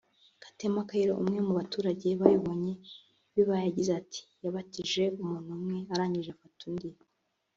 Ketema Kairo umwe mu baturage babibonye biba yagize ati “Yabatije umuntu umwe arangije afata undi